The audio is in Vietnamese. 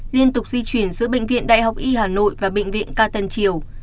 liên tục di chuyển giữa bệnh viện đại học y hà nội và bệnh viện ca tân triều